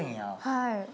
はい。